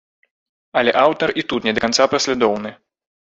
Але аўтар і тут не да канца паслядоўны.